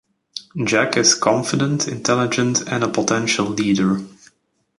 Jack is confident, intelligent and a potential leader.